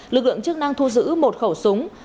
lực lượng chức năng thu giữ một khẩu súng